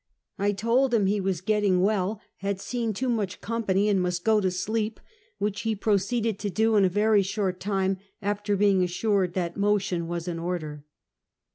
I told him he was getting well, had seen too much company, and must go to sleep, which he proceeded to do in in a very short time after being assured that that mo tion was in order.